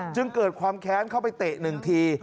จึงเกิดความแค้นเข้าไปเตะหนึ่งที